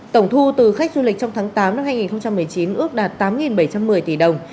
tổng thu từ khách du lịch trong tháng tám năm hai nghìn một mươi chín ước đạt tám bảy trăm một mươi tỷ đồng